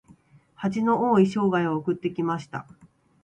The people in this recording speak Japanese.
恥の多い生涯を送ってきました。